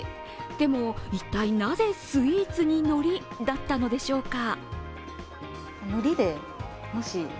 でも、一体なぜスイーツにのりだったんでしょうか。